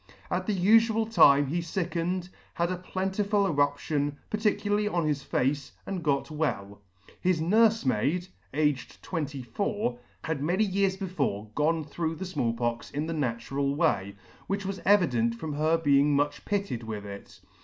At the ufual time he lickened, had a plentiful eruption, particularly on his face, and got well. His nurfemaid, aged twentyffour, had many years before gone through the Small Pox in the natural way, which was evident from her being much pitted with it.